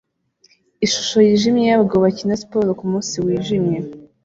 Ishusho yijimye yabagabo bakina siporo kumunsi wijimye